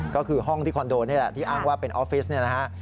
ก็คือห้องที่คอนโดนี่แหละที่อ้างว่าเป็นออฟฟิศเนี่ยนะฮะ